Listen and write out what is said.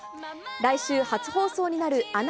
来週初放送になるアナ